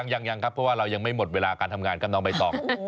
ยังครับเพราะว่าเรายังไม่หมดเวลาการทำงานกับน้องใบตอง